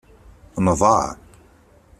Nḍaɛ.